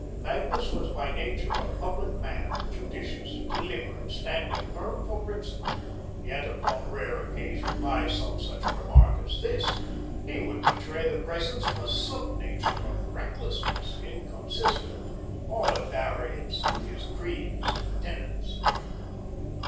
Magnus was by nature a public man, judicious, deliberate, standing firm for principle, yet upon rare occasion, by some such remark as this, he would betray the presence of a sub nature of recklessness, inconsistent, all at variance with his creeds and tenets.